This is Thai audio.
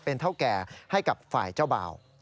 เป็นเท่าแก่ให้กับฝ่ายเจ้าบ่าว